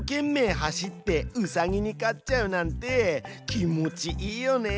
走ってうさぎに勝っちゃうなんて気持ちいいよね。